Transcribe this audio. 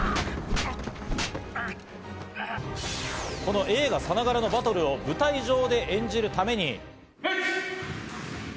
この映画さながらのバトルを舞台上で演じるために。